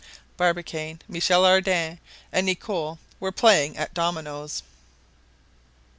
Barbicane, Michel Ardan, and Nicholl were playing at dominoes!